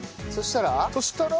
そしたら。